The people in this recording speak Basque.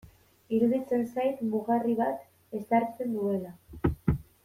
Iruditzen zait mugarri bat ezartzen duela.